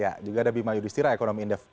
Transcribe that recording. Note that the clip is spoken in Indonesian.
ya juga ada bima yudhistira ekonomi indef